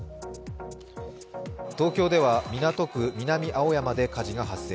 東京では港区南青山で火事が発生。